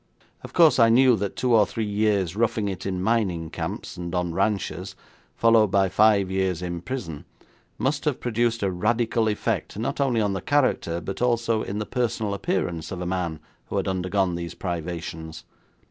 Of course I knew that two or three years roughing it in mining camps and on ranches, followed by five years in prison, must have produced a radical effect not only on the character, but also in the personal appearance of a man who had undergone these privations.